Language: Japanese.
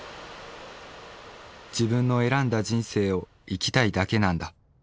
「自分の選んだ人生を生きたいだけなんだ」。